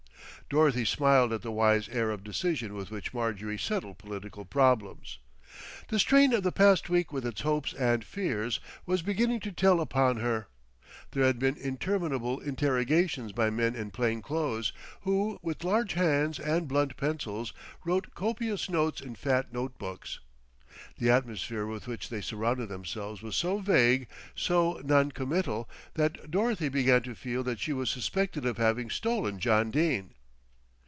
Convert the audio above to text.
Dorothy smiled at the wise air of decision with which Marjorie settled political problems. The strain of the past week with its hopes and fears was beginning to tell upon her. There had been interminable interrogations by men in plain clothes, who with large hands and blunt pencils wrote copious notes in fat note books. The atmosphere with which they surrounded themselves was so vague, so non committal, that Dorothy began to feel that she was suspected of having stolen John Dene.